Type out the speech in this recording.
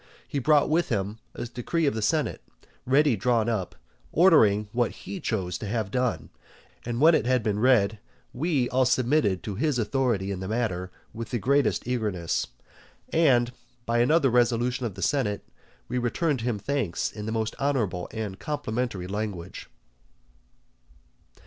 He brought with him a decree of the senate, ready drawn up, ordering what he chose to have done: and when it had been read, we all submitted to his authority in the matter with the greatest eagerness; and, by another resolution of the senate, we returned him thanks in the most honourable and complimentary language.